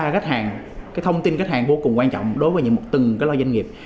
các thông tin khách hàng vô cùng quan trọng đối với từng loa doanh nghiệp